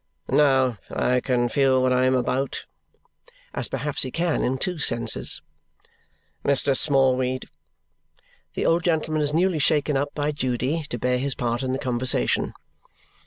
"Now, I can feel what I am about" (as perhaps he can in two senses), "Mr. Smallweed." The old gentleman is newly shaken up by Judy to bear his part in the conversation.